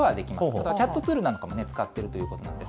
だからチャットツールなんかも使っているということです。